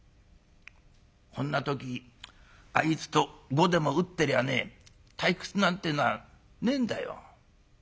こんな時あいつと碁でも打ってりゃあね退屈なんてえのはねえんだよ。